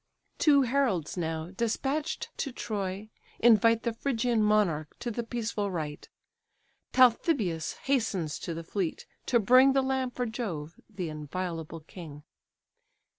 Two heralds now, despatch'd to Troy, invite The Phrygian monarch to the peaceful rite. Talthybius hastens to the fleet, to bring The lamb for Jove, the inviolable king.